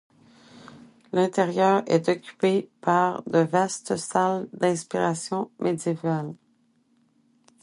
L'intérieur est occupé par de vastes salles d'inspiration médiévale.